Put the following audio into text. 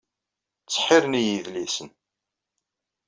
Ttseḥḥiren-iyi yedlisen.